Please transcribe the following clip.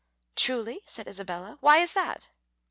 "Truly!" said Isabella. "Why is that?"